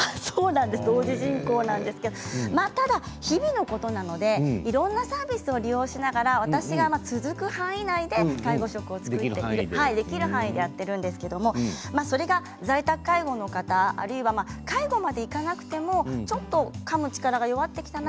同時進行なんですけれどもただ日々のことなのでいろいろなサービスを利用しながら、私が続く範囲でできる範囲でやっているんですけれどそれが在宅介護の方、あるいは介護まではいかなくてもちょっとかむ力が弱ってきたな